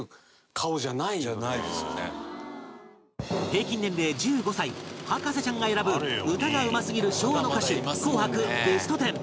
平均年齢１５歳博士ちゃんが選ぶ歌がうますぎる昭和の歌手紅白ベストテン